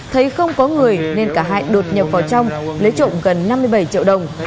thấy không có người nên cả hai đột nhập vào trong lấy trộm gần năm mươi bảy triệu đồng